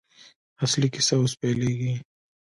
اصلي کیسه اوس پیلېږي.